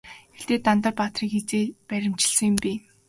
Тэгээд Дандар баатрыг хэзээ баривчилсан юм бэ?